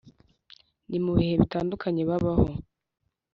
mu bihe bitandukanye babaho